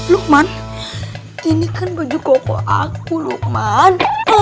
luqman ini kan baju koko aku luqman